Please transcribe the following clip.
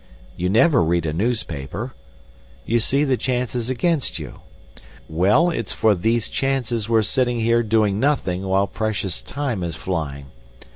You never read a newspaper! You see the chances against you. Well, it's for these chances we're sitting here doing nothing while precious time is flying.